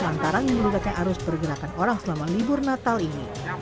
lantaran meningkatnya arus pergerakan orang selama libur natal ini